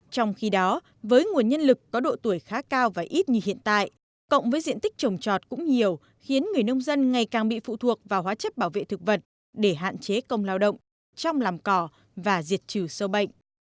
trong khi đó với nguồn nhân lực có độ tuổi khá cao và ít như hiện tại cộng với diện tích trồng trọt cũng nhiều khiến người nông dân ngày càng bị phụ thuộc vào hóa chất bảo vệ thực vật để hạn chế công lao động trong làm cỏ và diệt trừ sâu bệnh